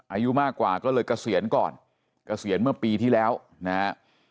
อายุมากกว่าก็เลยเกษียณก่อนเกษียณเมื่อปีที่แล้วนะฮะ